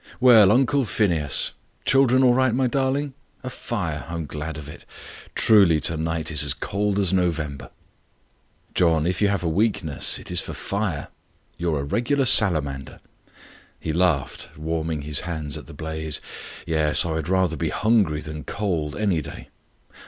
"Well, Uncle Phineas! Children all right, my darling? A fire! I'm glad of it. Truly to night is as cold as November." "John, if you have a weakness, it is for fire. You're a regular salamander." He laughed warming his hands at the blaze. "Yes, I would rather be hungry than cold, any day.